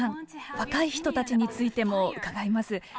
若い人たちについても伺います。